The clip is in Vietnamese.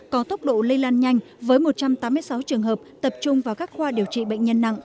có tốc độ lây lan nhanh với một trăm tám mươi sáu trường hợp tập trung vào các khoa điều trị bệnh nhân nặng